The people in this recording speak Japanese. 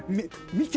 見て！